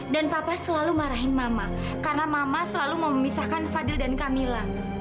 dan papa selalu marahin mama karena mama selalu mau memisahkan fadil dan kamila